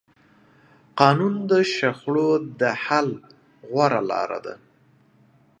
قانون د شخړو د حل غوره لاره ده